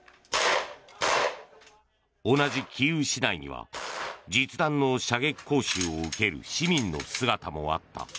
同じキーウ市内には実弾の射撃講習を受ける市民の姿もあった。